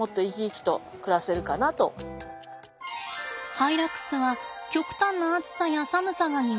ハイラックスは極端な暑さや寒さが苦手です。